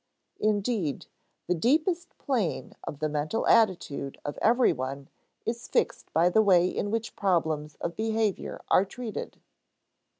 Indeed, the deepest plane of the mental attitude of every one is fixed by the way in which problems of behavior are treated.